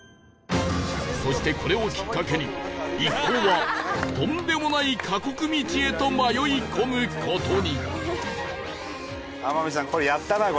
そしてこれをきっかけに一行はとんでもない過酷道へと迷い込む事に